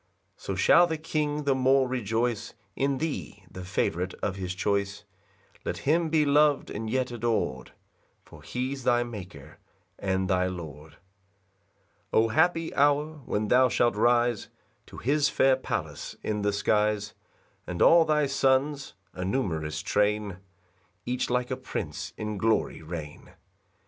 4 So shall the King the more rejoice In thee, the favourite of his choice; Let him be lov'd and yet ador'd, For he's thy Maker and thy Lord. 5 O happy hour, when thou shalt rise To his fair palace in the skies, And all thy Sons (a numerous train) Each like a prince in glory reign!